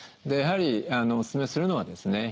やはりお勧めするのはですね